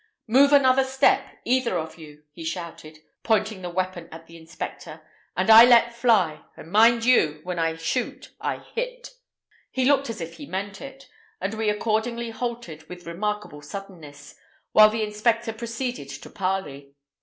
"Move another step, either of you," he shouted, pointing the weapon at the inspector, "and I let fly; and mind you, when I shoot I hit." THE STRANGER IS RUN TO EARTH. He looked as if he meant it, and we accordingly halted with remarkable suddenness, while the inspector proceeded to parley.